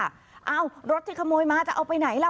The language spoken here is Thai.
เอ้ารถที่ขโมยมาจะเอาไปไหนล่ะ